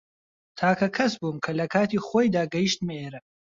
تاکە کەس بووم کە لە کاتی خۆیدا گەیشتمە ئێرە.